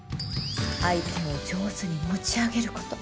相手を上手に持ち上げること。